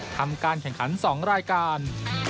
ทำการแข่งขัน๒รายการ